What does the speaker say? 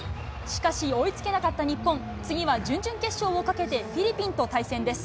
しかし追いつけなかった日本、次は準々決勝をかけてフィリピンと対戦です。